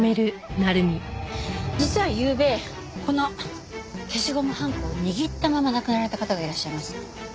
実はゆうべこの消しゴムはんこを握ったまま亡くなられた方がいらっしゃいます。